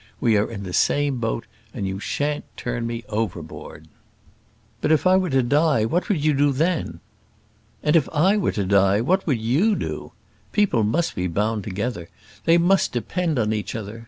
We are in the same boat, and you shan't turn me overboard." "But if I were to die, what would you do then?" "And if I were to die, what would you do? People must be bound together. They must depend on each other.